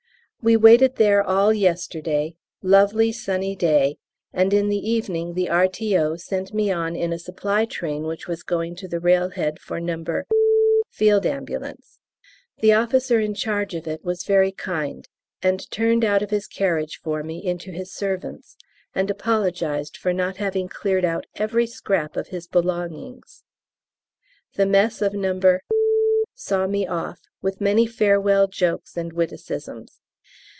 We waited there all yesterday, lovely sunny day, and in the evening the R.T.O. sent me on in a supply train which was going to the railhead for No. F.A. The officer in charge of it was very kind, and turned out of his carriage for me into his servant's, and apologised for not having cleared out every scrap of his belongings. The Mess of No. saw me off, with many farewell jokes and witticisms.